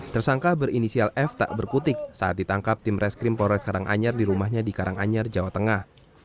tersangka berinisial f tak berkutik saat ditangkap tim reskrim polres karanganyar di rumahnya di karanganyar jawa tengah